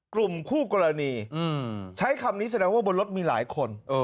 กลุ่มคู่กรณีใช้คำนี้แสดงว่าบนรถมีหลายคน